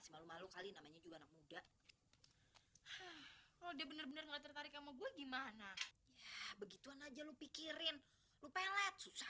kalau dia bener bener enggak tertarik sama gue gimana begitu aja lu pikirin lu pelet susah